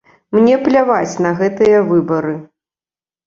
Мне пляваць на гэтыя выбары.